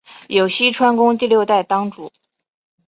有栖川宫第六代当主。